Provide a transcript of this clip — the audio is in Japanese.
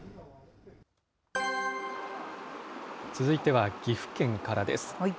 続いては岐阜県からです。